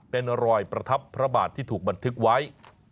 เป็นรอยประทับพระบาทที่ถูกบันทึกไว้